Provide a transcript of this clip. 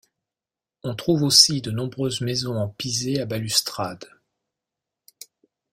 On trouve aussi de nombreuses maisons en pisé à balustrades.